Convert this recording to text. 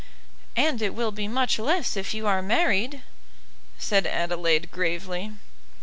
"And it will be much less if you are married," said Adelaide gravely.